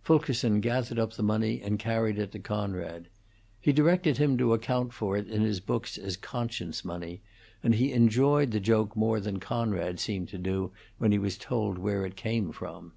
Fulkerson gathered up the money and carried it to Conrad. He directed him to account for it in his books as conscience money, and he enjoyed the joke more than Conrad seemed to do when he was told where it came from.